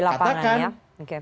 di lapangannya oke